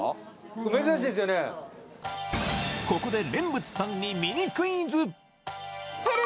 ここで蓮佛さんにミニクイズ！